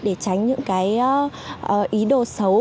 để tránh những cái ý đồ xấu